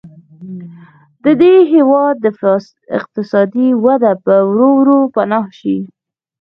د دې هېواد اقتصادي وده به ورو ورو پناه شي.